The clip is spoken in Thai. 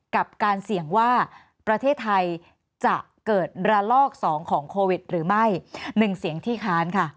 กับการเสี่ยงว่าประเทศไทยจะเกิดระลอกสองของโควิดหรือไม่๑เสียงที่ค้านค่ะ